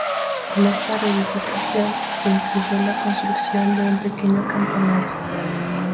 En esta reedificación se incluyó la construcción de un pequeño campanario.